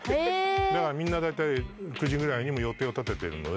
だからみんな、大体、９時ぐらいに予定を立ててるので。